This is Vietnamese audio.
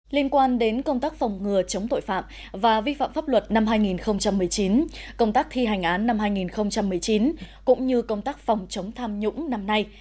liên quan đến công tác phòng ngừa chống tội phạm và vi phạm pháp luật năm hai nghìn một mươi chín công tác thi hành án năm hai nghìn một mươi chín cũng như công tác phòng chống tham nhũng năm nay